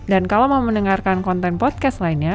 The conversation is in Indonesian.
dan kalau mau mendengarkan konten podcast lainnya